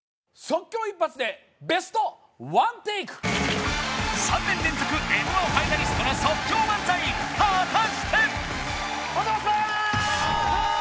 即興一発でベストワンテイク３年連続Ｍ−１ファイナリストが即興漫才果たしてお邪魔します